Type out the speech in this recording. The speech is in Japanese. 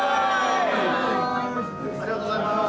ありがとうございます。